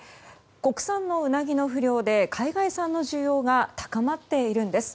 国産のウナギの不漁で海外産の需要が高まっているんです。